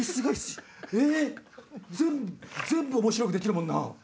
⁉全部おもしろくできるもんな。